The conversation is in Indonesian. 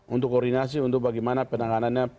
untuk koordinasi untuk bagaimana penanganannya